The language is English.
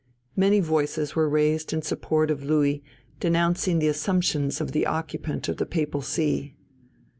Many voices were raised in support of Louis denouncing the assumptions of the occupant of the Papal See.